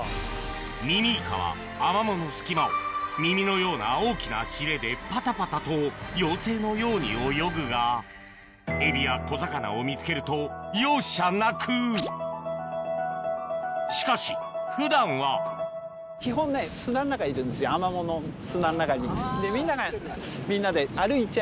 ミミイカはアマモの隙間を耳のような大きなヒレでパタパタと妖精のように泳ぐがエビや小魚を見つけると容赦なくしかし普段はアマモの砂の中に。